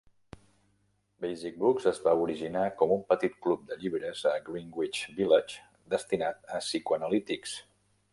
Basic Books es va originar com un petit club de llibres a Greenwich Village destinat a psicoanalítics.